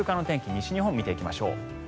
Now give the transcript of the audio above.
西日本見ていきましょう。